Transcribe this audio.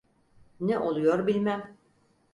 Ne oluyor bilmem…